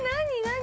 何？